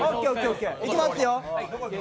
いきますよ。